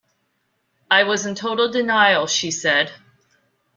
"I was in total denial", she said.